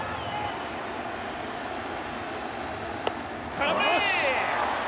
空振り！